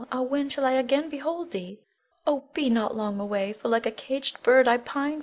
Ah, when shall I again behold thee? Oh, be not long away, for like a caged bird I pine for thee.